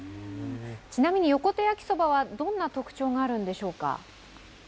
ちなみに横手やきそばはどんな特徴があるんでしょうか？